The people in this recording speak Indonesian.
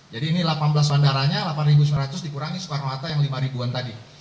jadi ini delapan belas bandaranya delapan sembilan ratus dikurangi soekarno hatta yang lima an tadi